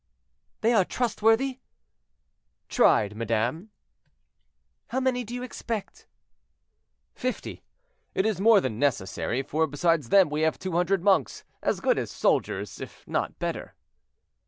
"—"They are trustworthy?" "Tried, madame." "How many do you expect?" "Fifty; it is more than necessary, for besides them we have two hundred monks, as good as soldiers, if not better."